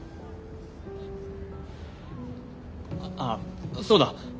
あっそうだ。